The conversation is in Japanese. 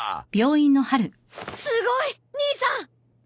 すごい！兄さん！